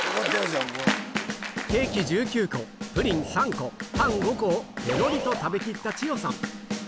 ケーキ１９個、プリン３個、パン５個をぺろりと食べ切ったちよさん。